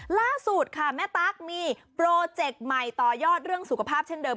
ล่าสุดค่ะแม่ตั๊กมีโปรเจกต์ใหม่ต่อยอดเรื่องสุขภาพเช่นเดิม